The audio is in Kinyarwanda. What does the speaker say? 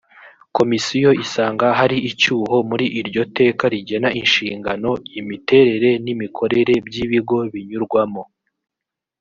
komisiyo isanga hari icyuho muri iryo teka rigena inshingano imiterere n’imikorere by’ibigo binyurwamo